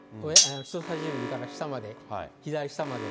人さし指から下まで、左下まで。